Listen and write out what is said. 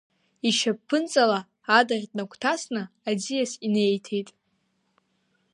Ишьапԥынҵала адаӷь днагәҭасны, аӡиас инеиҭеит.